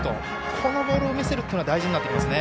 このボールを見せるというのは大事になってきますね。